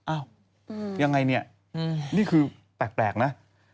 อ้าวยังไงเนี่ยนี่คือแปลกนะ